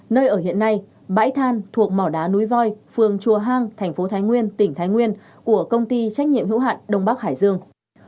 nơi ở hiện nay bãi than thuộc mỏ đá núi voi phường chùa hang thành phố thái nguyên tỉnh thái nguyên của công ty trách nhiệm hữu hạn đông bắc hải dương